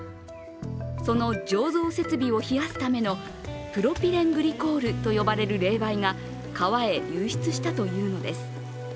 その醸造設備を冷やすためのプロピレングリコールという冷媒が川へ流出したというのです。